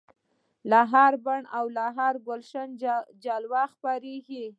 له هر بڼ او هر ګلشن جلوه خپریږي